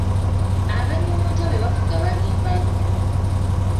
Abanyuunyunta be bafuga balimba nnyo.